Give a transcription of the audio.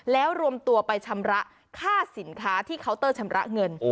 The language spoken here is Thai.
แล้วรวมตัวไปชำระค่าสินค้าที่เคาน์เตอร์ชำระเงิน